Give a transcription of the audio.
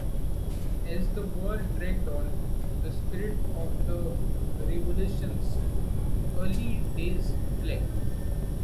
As the war dragged on, the spirit of the revolution's early days flagged.